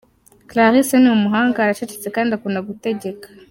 Clarisse ni umuhanga, aracecetse kandi akunda gutegeka.